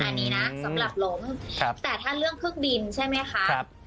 อันนี้นะสำหรับล้มครับแต่ถ้าเรื่องเครื่องบินใช่ไหมคะ